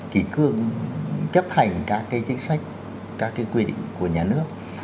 kỳ cương chấp hành các cái chính sách các cái quy định của nhà nước